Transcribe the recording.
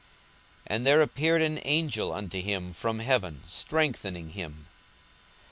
42:022:043 And there appeared an angel unto him from heaven, strengthening him.